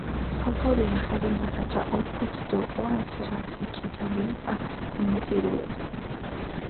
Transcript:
ფოფორი ახალ ნაღაჭა ჸოფუდჷ დო ჸვას რასი ჭითა ლენტა გუნოკირუედჷ.